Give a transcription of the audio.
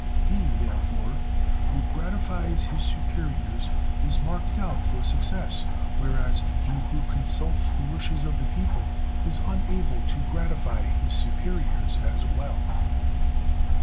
He, therefore, who gratifies his superiors is marked out for success; whereas he who consults the wishes of the people is unable to gratify his superiors as well."